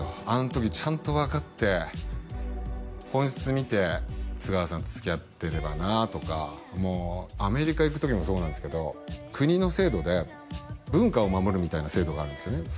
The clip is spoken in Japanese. あの時ちゃんと分かって本質見て津川さんとつきあってればなとかもうアメリカ行く時もそうなんすけど国の制度で文化を守るみたいな制度があるんですよね